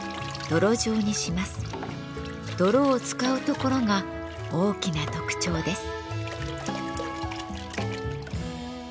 泥を使うところが大きな特徴です。